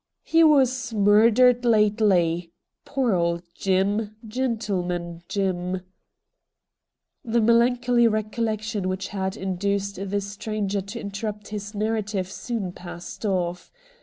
' He was murdered lately — poor old Jim — Gentleman Jim !' The melancholy recollection which had in duced the stranger to interrupt his narrative soon passed off.